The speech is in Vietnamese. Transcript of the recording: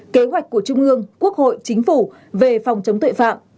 kế hoạch của trung ương quốc hội chính phủ về phòng chống tội phạm